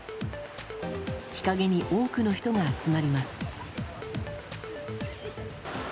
日陰に多くの人が集まります。